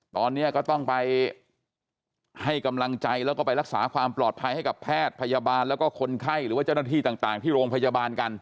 ตอนนี้ก็ต้องไปให้กำลังใจแล้วก็ไปรักษาความปลอดภัยให้กับแพทย์พยาบาลแล้วก็คนไข้หรือว่าเจ้าหน้าที่ต่างที่โรงพยาบาลกัน